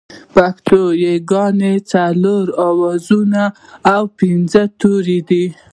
پښتو ياگانې څلور آوازونه او پينځه توري دي